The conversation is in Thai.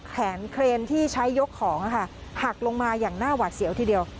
เครนที่ใช้ยกของหักลงมาอย่างหน้าหวาดเสียวทีเดียว